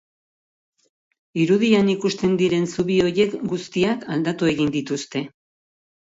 Irudian ikusten diren zubi horiek guztiak aldatu egin dituzte.